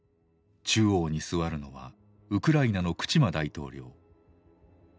中央に座るのはウクライナのクチマ大統領。